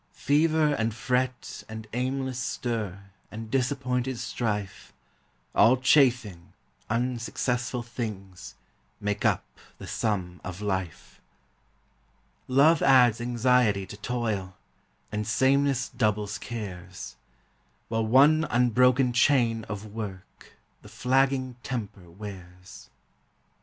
Fever and fret and aimless stir And disappointed strife, All chafing, unsuccessful things, Make up the sum of life. Love adds anxiety to toil, And sameness doubles cares. While one unbroken chain of work The flagging temper wears.